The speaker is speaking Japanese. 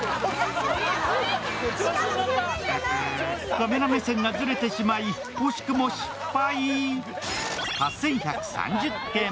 カメラ目線がずれてしまい、惜しくも失敗。